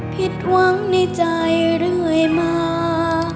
ผิดหวังในใจเรื่อยมา